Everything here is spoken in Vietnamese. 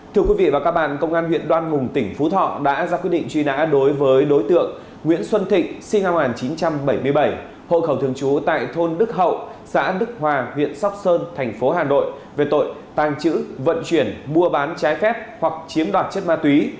thưa quý vị và các bạn công an huyện đoan hùng tỉnh phú thọ đã ra quyết định truy nã đối với đối tượng nguyễn xuân thịnh sinh năm một nghìn chín trăm bảy mươi bảy hộ khẩu thường trú tại thôn đức hậu xã đức hòa huyện sóc sơn thành phố hà nội về tội tàng trữ vận chuyển mua bán trái phép hoặc chiếm đoạt chất ma túy